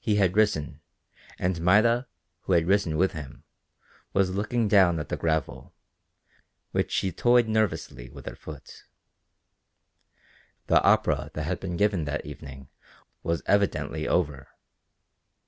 He had risen, and Maida, who had risen with him, was looking down at the gravel, which she toyed nervously with her foot. The opera that had been given that evening was evidently over.